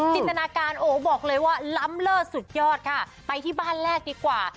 จินตนาการโอ้บอกเลยว่าล้ำเลอร์สุดยอดค่ะไปที่บ้านแรกดีกว่า